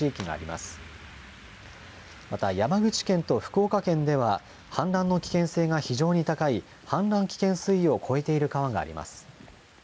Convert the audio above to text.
また、山口県と福岡県では、氾濫の危険性が非常に高い氾濫危険水位を超えている川があります。